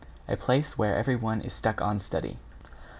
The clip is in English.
A place where everyone is stuck on study.